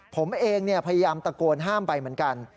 ผมเองพยายามตะโกนห้ามไปเหมือนกัน